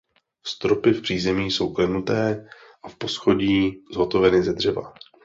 Stropy v přízemí jsou klenuté a v poschodí zhotoveny ze dřeva.